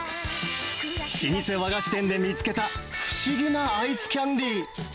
老舗和菓子店で見つけた、不思議なアイスキャンディー。